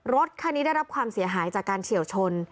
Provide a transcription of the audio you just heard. รถคันนี้ได้รับความเสียหายจากการเฉียวชน